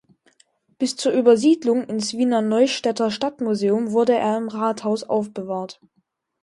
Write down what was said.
Bis zur Übersiedlung ins Wiener Neustädter Stadtmuseum wurde er im Rathaus aufbewahrt.